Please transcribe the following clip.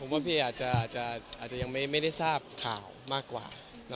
ว่าพี่อาจจะยังไม่ได้ทราบข่าวมากกว่า